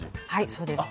そうです。